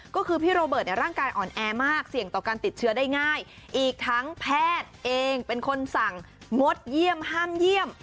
ก็คือพี่โรเบิร์ตในร่างกายอ่อนแอมากเสี่ยงต่อการติดเชื้อได้ง่ายอีกทั้งแพทย์เองเป็นคนสั่งงดเยี่ยมห้ามเยี่ยม